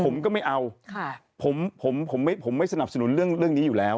ผมก็ไม่เอาผมไม่สนับสนุนเรื่องนี้อยู่แล้วผมก็ไม่เอาผมไม่สนับสนุนเรื่องนี้อยู่แล้ว